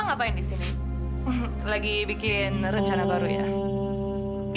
aku l particularly punya wajahember tujuh tahun